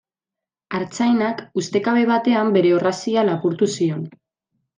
Artzainak ustekabe batean bere orrazia lapurtu zion.